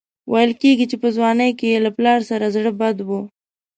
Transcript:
ویل کېږي چې په ځوانۍ کې یې له پلار سره زړه بد و.